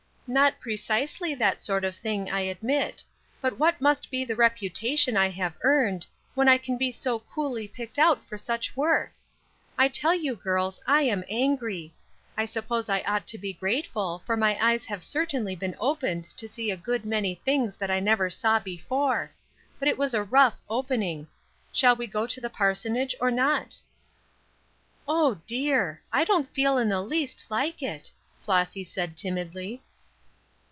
"Not precisely that sort of thing, I admit; but what must be the reputation I have earned, when I can be so coolly picked out for such work? I tell you, girls, I am angry. I suppose I ought to be grateful, for my eyes have certainly been opened to see a good many things that I never saw before; but it was a rough opening. Shall we go to the parsonage, or not?" "Oh, dear! I don't feel in the least like it," Flossy said, timidly.